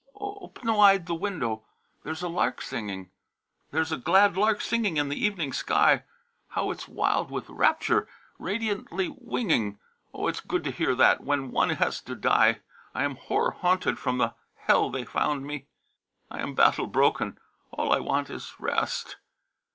"Open wide the window; there's a lark a singing; There's a glad lark singing in the evening sky. How it's wild with rapture, radiantly winging: Oh it's good to hear that when one has to die. I am horror haunted from the hell they found me; I am battle broken, all I want is rest.